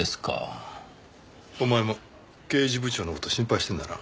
お前も刑事部長の事心配してんだな。